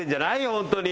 本当に。